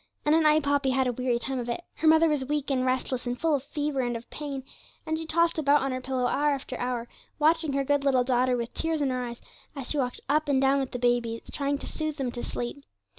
And at night Poppy had a weary time of it. Her mother was weak and restless, and full of fever and of pain, and she tossed about on her pillow hour after hour, watching her good little daughter with tears in her eyes, as she walked up and down with the babies, trying to soothe them to sleep.